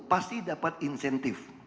pasti dapat insentif